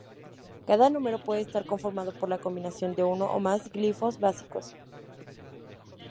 Cada número puede estar formado por la combinación de uno o más glifos básicos.